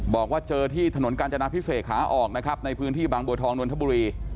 บอกว่าเจอที่ถนนกาญจนาพิเศษขาออกนะครับในพื้นที่บางบัวทองนวลธบุรี